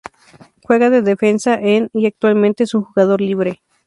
Juega de defensa en y actualmente es un jugador libre.